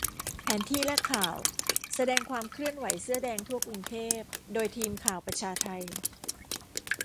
แผนที่และข่าว แสดงความเคลื่อนไหวเสื้อแดงทั่วกรุงเทพ โดยทีมข่าวประชาไท